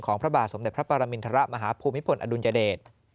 พระบาทสมเด็จพระปรมินทรมาฮภูมิพลอดุลยเดช